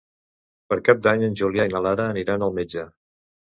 Per Cap d'Any en Julià i na Lara aniran al metge.